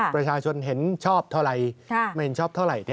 ประชาชนเห็นชอบเท่าไหร่ไม่เห็นชอบเท่าไหร่